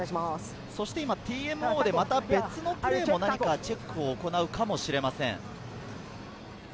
ＴＭＯでまた別のプレーでも何かチェックを行うかもしれません。